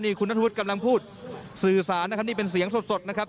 คุณนัทวุฒิกำลังพูดสื่อสารนะครับนี่เป็นเสียงสดนะครับ